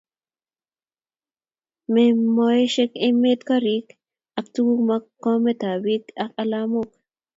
Mo meosiek emetab gorik ak tuguk mo kometo bik ak alamok